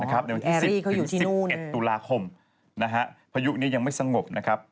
อีก๑๐๑๑ตุลาคมพยุคนี้ยังไม่สงบ